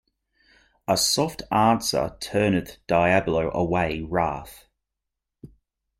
A soft answer turneth diabo away wrath.